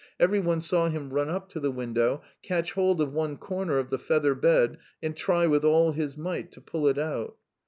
Every one saw him run up to the window, catch hold of one corner of the feather bed and try with all his might to pull it out.